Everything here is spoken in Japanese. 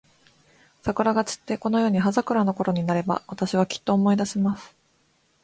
桜が散って、このように葉桜のころになれば、私は、きっと思い出します。